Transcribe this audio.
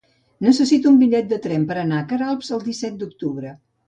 Necessito un bitllet de tren per anar a Queralbs el disset d'octubre.